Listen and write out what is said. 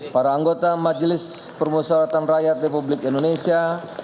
para anggota majelis permusawaratan rakyat republik indonesia